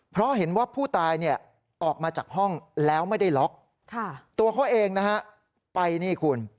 เพราะเห็นว่าผู้ตายเนี่ยออกมาจากห้องแล้วไม่ได้ล็อกตัวเขาเองนะฮะไปนี่คุณ